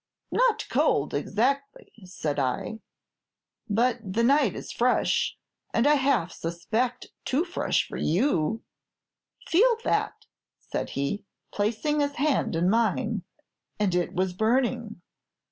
'Not cold, exactly,' said I, 'but the night is fresh, and I half suspect too fresh for you.' 'Feel that,' said he, placing his hand in mine; and it was burning.